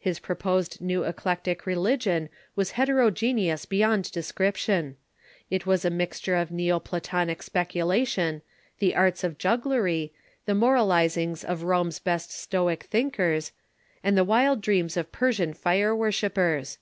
His j^roposed new eclectic religion was heterogeneous beyond description. It was a mixture of Neo Platonic speculation, the arts of juggler}^, the moralizings of Rome's best Stoic thinkers, and the wild dreams of Persian fire worshippers.